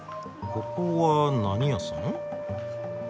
ここは何屋さん？